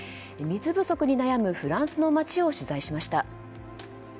水不足に悩むフランスの街を取材しました。